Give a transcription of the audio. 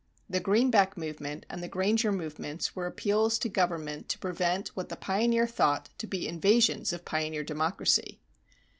The Greenback movement and the Granger movements were appeals to government to prevent what the pioneer thought to be invasions of pioneer democracy.